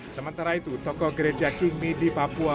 sementara itu tokoh gereja kingmi di papua